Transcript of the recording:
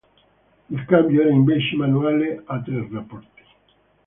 Il cambio era invece manuale a tre rapporti.